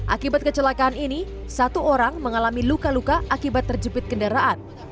akibat kecelakaan ini satu orang mengalami luka luka akibat terjepit kendaraan